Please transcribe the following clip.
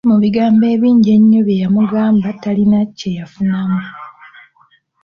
Mu bigambo ebingi ennyo bye yamugamba talina kyeyafunamu.